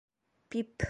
Пип...